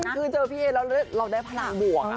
จริงคือเจอพี่เอ้ยแล้วเราได้พละบวกอ่ะ